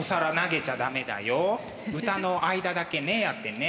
歌の間だけねやってね。